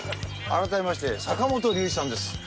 改めまして、坂本龍一さんです。